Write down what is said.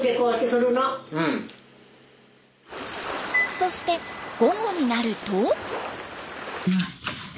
そして午後になると。